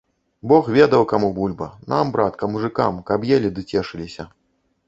Бог ведаў, каму бульба, нам, братка, мужыкам, каб елі ды цешыліся.